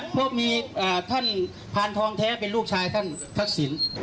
พวกมีพาร์นทองแท้เป็นลูกชายท่านทักศิลป์